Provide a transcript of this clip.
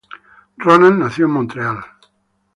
Ronald nació en Montreal.